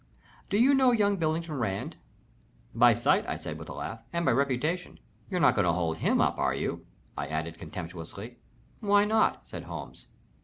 Do you know young Billington Rand?" "By sight," said I, with a laugh. "And by reputation. You're not going to hold him up, are you?" I added, contemptuously. "Why not?" said Holmes.